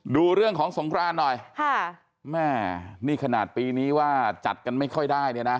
ดูเรื่องของสงครานหน่อยค่ะแม่นี่ขนาดปีนี้ว่าจัดกันไม่ค่อยได้เนี่ยนะ